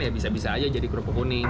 ya bisa bisa aja jadi kerupuk kuning